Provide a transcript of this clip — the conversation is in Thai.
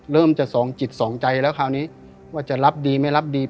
เริ่มจะสองจิตสองใจแล้วคราวนี้ว่าจะรับดีไม่รับดี